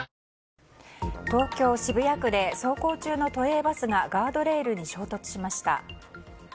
東京・渋谷区で走行中の都営バスがガードレールに衝突しました。